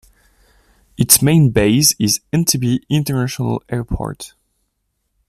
Its main base is Entebbe International Airport.